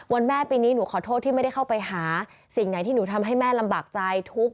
แม่ปีนี้หนูขอโทษที่ไม่ได้เข้าไปหาสิ่งไหนที่หนูทำให้แม่ลำบากใจทุกข์